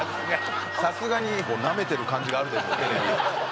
さすがになめてる感じがあると思うテレビ。